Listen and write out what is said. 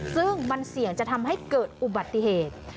ซึ่งมันเสี่ยงจะทำให้เกิดอุบัติเหตุ